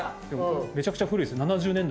めちゃくちゃ古いです。